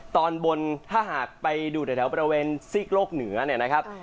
ตอนบนถ้าหากไปดูแถวบริเวณซีกโลกเหนือเนี่ยนะครับ